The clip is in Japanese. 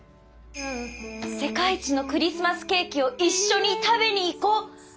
「世界一のクリスマスケーキを一緒に食べに行こう」。